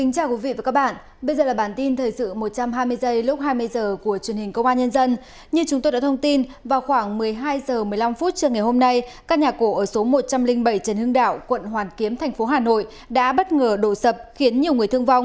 cảm ơn các bạn đã theo dõi